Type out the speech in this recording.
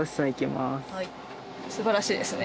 素晴らしいですね。